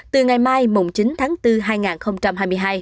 từ ngày mai chín tháng bốn hai nghìn hai mươi hai